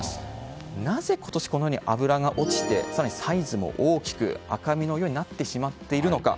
なぜ、今年このように脂が落ちて更にサイズも大きく赤身のようになってしまっているのか。